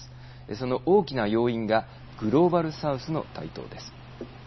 その大きな要因がグローバル・サウスの台頭です。